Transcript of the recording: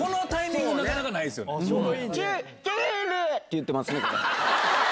言ってますねこれ。